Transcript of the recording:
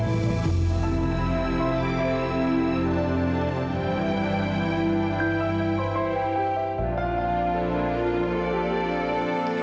karena aku peduli sama kamu dan bayi kamu